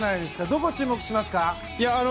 どこに注目しますか。